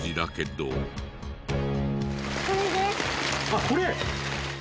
あっこれ？